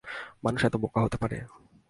মানুষ এত বোকা হতে পারে।